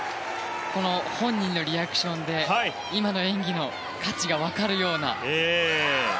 本人のリアクションで今の演技の価値が分かるような。